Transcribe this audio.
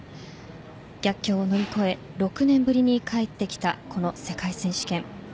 逆境を乗り越え６年ぶりに帰ってきたこの世界選手権。